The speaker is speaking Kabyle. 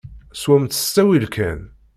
Swemt s ttawil kan!